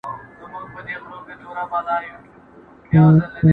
خرخو ځکه پر زمري باندي ډېر ګران وو،